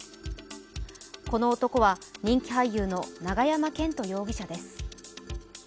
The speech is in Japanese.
この男は、人気俳優の永山絢斗容疑者です。